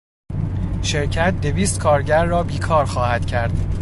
شرکت دویست کارگر را بیکار خواهد کرد.